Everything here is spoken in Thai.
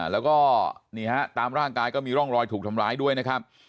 แล้วก็นี่ฮะตามร่างกายก็มีร่องรอยถูกทำร้ายด้วยนะครับ